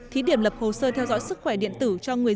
thí điểm lập hồ sơ theo dõi sức khỏe điện tử